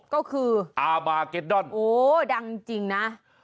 ก็คืออามาร์เก็ตดอนโอ้ดังจริงนะ